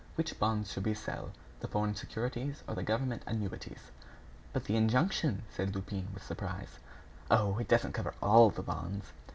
What bonds should we sell? The foreign securities or the government annuities?" "But the injunction?" said Lupin, with surprise. "Oh! it doesn't cover all the bonds."